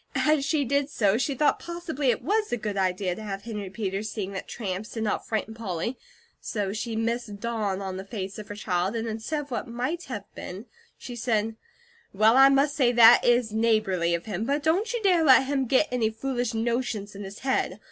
As she did so, she thought possibly it was a good idea to have Henry Peters seeing that tramps did not frighten Polly, so she missed dawn on the face of her child, and instead of what might have been, she said: "Well, I must say THAT is neighbourly of him; but don't you dare let him get any foolish notions in his head.